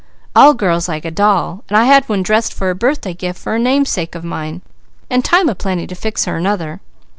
All girls like a doll, and I had one dressed for a birthday gift for a namesake of mine, and time plenty to fix her another.